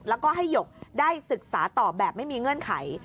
แล้วก็ให้หยกได้ศึกษาต่อแบบไม่มีเงื่อนไข